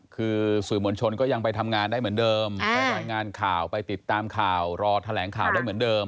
คือสื่อมวลชนก็ยังไปทำงานได้เหมือนเดิมไปรายงานข่าวไปติดตามข่าวรอแถลงข่าวได้เหมือนเดิม